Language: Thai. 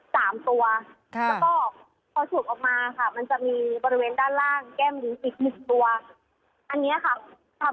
๓ตัวแล้วก็พอสูบออกมาค่ะมันจะมีบริเวณด้านล่างแก้มลิ้น๑๐ลิตรตัว